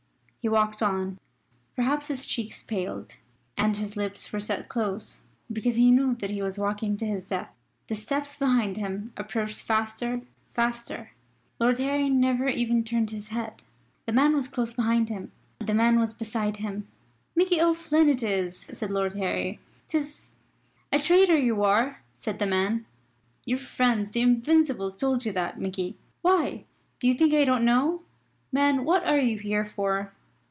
He walked on. Perhaps his cheeks paled and his lips were set close, because he knew that he was walking to his death. The steps behind him approached faster faster. Lord Harry never even turned his head. The man was close behind him. The man was beside him. "Mickey O'Flynn it is," said Lord Harry. "'Tis a traitor, you are," said the man. "Your friends the Invincibles told you that, Mickey. Why, do you think I don't know, man, what are you here for?